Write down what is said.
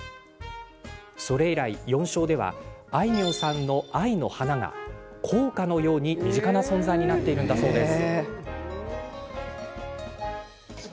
それ以来、四小ではあいみょんさんの「愛の花」が校歌のように身近な存在になっているそうです。